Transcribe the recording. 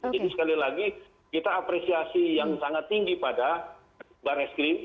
jadi sekali lagi kita apresiasi yang sangat tinggi pada bar es krim